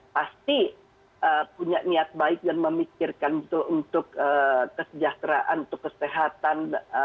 pasti punya niat baik dan memikirkan betul untuk kesejahteraan untuk kesehatan